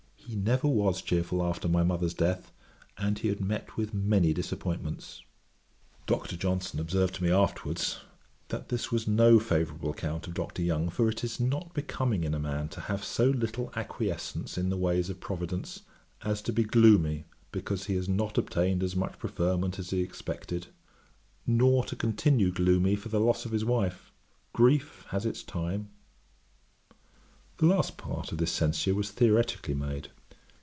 He never was cheerful after my mother's death, and he had met with many disappointments.' Dr. Johnson observed to me afterwards, 'That this was no favourable account of Dr. Young; for it is not becoming in a man to have so little acquiescence in the ways of Providence, as to be gloomy because he has not obtained as much preferment as he expected; nor to continue gloomy for the loss of his wife. Grief has its time.' The last part of this censure was theoretically made.